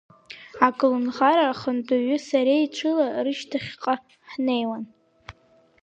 Аколнхара ахантәаҩи сареи ҽыла рышьҭахьҟа ҳнеиуан.